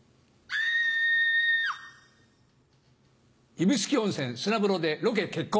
・指宿温泉砂風呂でロケ決行。